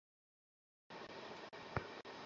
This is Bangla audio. না, আমরা অবস্থান পরিবর্তন করেছি।